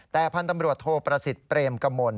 แต่พันธ์ตำรวจโทประสิทธิ์เปรมกมล